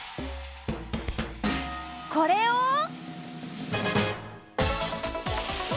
これを。